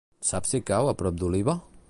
Saps si cau a prop d'Oliva?